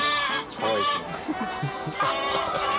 かわいいですね。